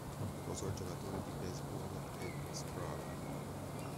Sposò il giocatore di baseball Ed Sprague.